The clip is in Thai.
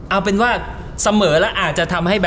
เอาเป็นว่าเสมอแล้วอาจจะทำให้แบบ